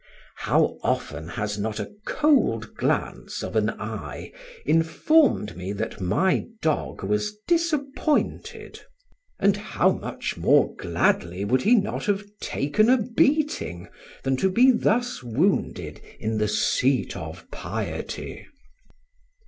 How often has not a cold glance of an eye informed me that my dog was disappointed; and how much more gladly would he not have taken a beating than to be thus wounded in the seat of piety!